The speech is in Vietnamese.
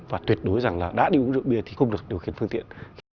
và tuyệt đối rằng là đã đi uống rượu bia thì không được điều khiển phương tiện